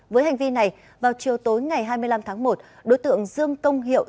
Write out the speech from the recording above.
với hành vi này vào chiều tối ngày hai mươi năm tháng một đối tượng dương công hiệu